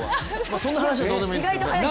そんな話はどうでもいいですよね。